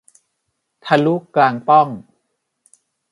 ทะลุกลางปล้อง